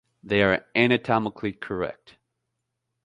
They are anatomically correct.